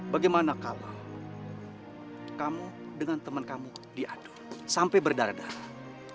bagaimana kalau kamu dengan teman kamu diaduk sampai berdarah darah